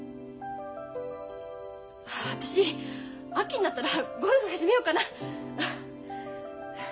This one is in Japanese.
私秋になったらゴルフ始めようかな。